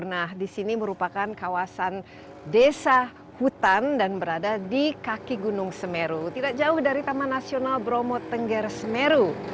nah di sini merupakan kawasan desa hutan dan berada di kaki gunung semeru tidak jauh dari taman nasional bromo tengger semeru